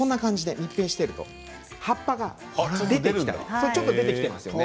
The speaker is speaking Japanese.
密閉していると葉っぱが出てきたり今ちょっと出てきてますね。